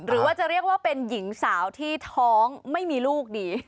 หรือว่าจะเรียกว่าเป็นหญิงสาวที่ท้องไม่มีลูกดี